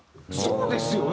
そうですよね。